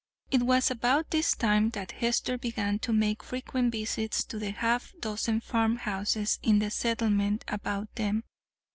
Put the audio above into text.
It was at about this time that Hester began to make frequent visits to the half dozen farmhouses in the settlement about them.